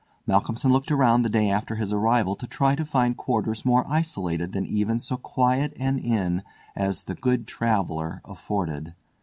Malcolmson looked around the day after his arrival to try to find quarters more isolated than even so quiet an inn as "The Good Traveller" afforded.